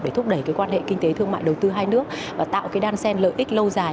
để thúc đẩy cái quan hệ kinh tế thương mại đầu tư hai nước và tạo cái đan xen lợi ích lâu dài